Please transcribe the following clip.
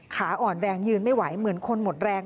ขาอ่อนแรงยืนไม่ไหวเหมือนคนหมดแรง